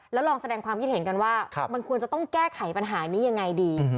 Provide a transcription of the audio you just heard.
แล้วลองแสดงความคิดเห็นกันว่ามันควรจะต้องแก้ไขปัญหานี้ยังไงดี